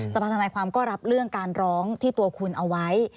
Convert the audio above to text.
สภาธนายความก็รับเรื่องการร้องที่ตัวคุณเอาไว้